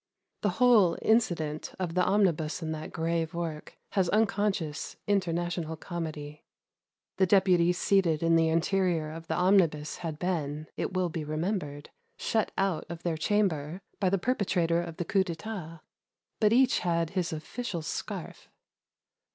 The whole incident of the omnibus in that grave work has unconscious international comedy. The Deputies seated in the interior of the omnibus had been, it will be remembered, shut out of their Chamber by the perpetrator of the Coup d'Etat, but each had his official scarf.